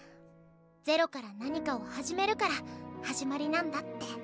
０から何かを始めるから始まりなんだって。